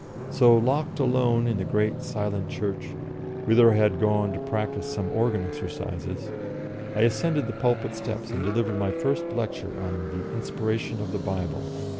So locked alone in the great, silent church, whither I had gone to practise some organ exercises, I ascended the pulpit steps and delivered my first lecture on the Inspiration of the Bible.